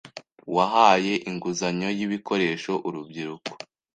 wahaye inguzanyo y’ibikoresho urubyiruko